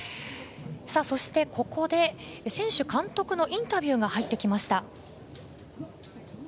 ここで選手、監督のインタビューが入ってきました。